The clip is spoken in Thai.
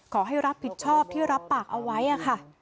ขอให้รับผิดชอบที่รับปากเอาไว้ค่ะ